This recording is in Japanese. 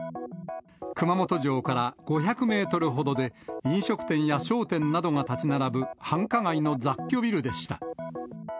熊本城から５００メートルほどで、飲食店や商店などが建ち並ぶ繁華街の雑居ビルでした。